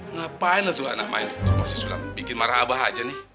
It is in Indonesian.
ngapain lo tuh anak main di rumah si sulam bikin marah abah aja nih